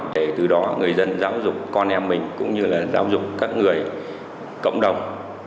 để từ đó người dân giáo dục con em mình cũng như là giáo dục các người cộng đồng